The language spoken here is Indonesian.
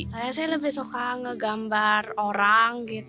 saya sih lebih suka ngegambar orang gitu